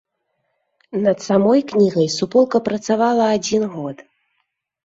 Над самой кнігай суполка працавала адзін год.